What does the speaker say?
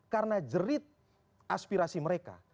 karena jerit aspirasi mereka